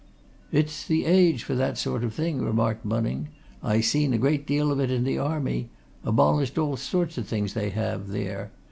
"It's the age for that sort of thing," remarked Bunning. "I seen a deal of it in the Army. Abolished all sorts o' things, they have, there.